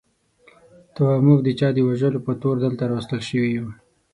ته وا موږ د چا د وژلو په تور دلته راوستل شوي یو.